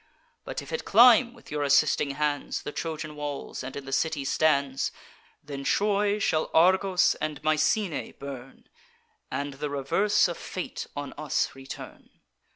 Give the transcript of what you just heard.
But if it climb, with your assisting hands, The Trojan walls, and in the city stands; Then Troy shall Argos and Mycenae burn, And the reverse of fate on us return.